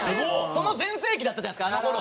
その全盛期だったじゃないですかあの頃。